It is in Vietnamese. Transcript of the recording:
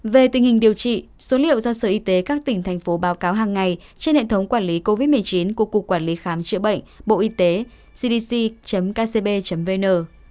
về tình hình điều trị số liệu do sở y tế các tỉnh thành phố báo cáo hàng ngày trên hệ thống quản lý covid một mươi chín của cục quản lý khám chữa bệnh bộ y tế cdc kcb vn